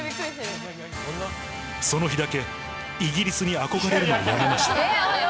その日だけイギリスに憧れるのをやめました。